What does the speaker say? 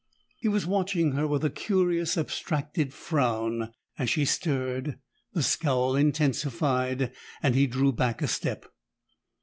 He was watching her with a curious abstracted frown; as she stirred, the scowl intensified, and he drew back a step.